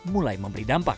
mulai memberi dampak